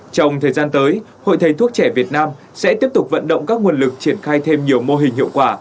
trong thời gian tới hội thầy thuốc trẻ việt nam sẽ tiếp tục vận động các nguồn lực triển khai thêm nhiều mô hình hiệu quả